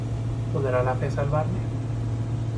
¿Podrá la fe salvarle?